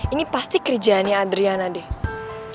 ini pasti kerjaannya adriana deh